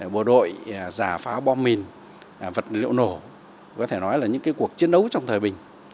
bộ đội giả phá bom mìn vật liệu nổ có thể nói là những cuộc chiến đấu trong thời bình